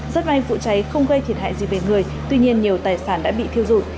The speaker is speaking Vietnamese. rất may vụ cháy không gây thiệt hại gì về người tuy nhiên nhiều tài sản đã bị thiêu dụi